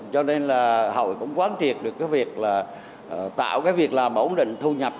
cho nên hội cũng quán triệt được việc làm ổn định thu nhập